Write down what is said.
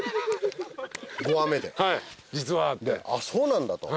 あっそうなんだと。